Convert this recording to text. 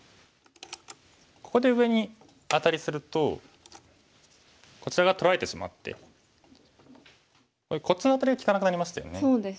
ここで上にアタリするとこちら側取られてしまってこっちのアタリが利かなくなりましたよね。